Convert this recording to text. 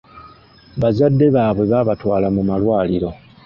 Bazadde baabwe babaatwala mu malwaliro.